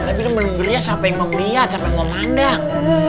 tapi dia belum berhias sampai yang mau melihat sampai yang mau mandang